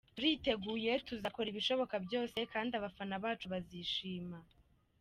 Turiteguye, tuzakora ibishoboka byose kandi abafana bacu bazishima.